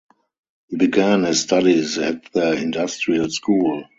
He began his studies at the (Industrial school).